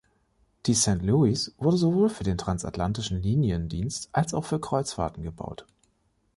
Die „Saint Louis“ wurde sowohl für den transatlantischen Liniendienst als auch für Kreuzfahrten gebaut.